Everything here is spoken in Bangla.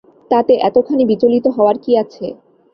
তাতে এতখানি বিচলিত হওয়ার কী আছে?